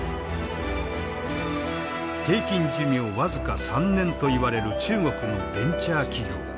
平均寿命僅か３年といわれる中国のベンチャー企業。